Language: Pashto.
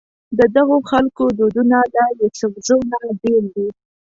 ددغو خلکو دودونه له یوسفزو نه بېل دي.